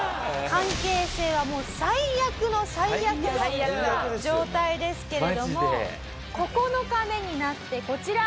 関係性はもう最悪の最悪の状態ですけれども９日目になってこちら。